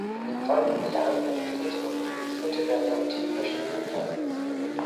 In den folgenden Jahren entwickelte und produzierte Berlanti verschiedene Fernsehserien.